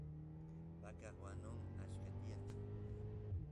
vaca wanu achka tiyan